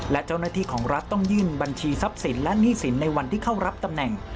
และเจ้าหน้าที่ของรัฐต้องยื่นบัญชีทรัพย์สินและหนี้สินในวันที่เข้ารับตำแหน่ง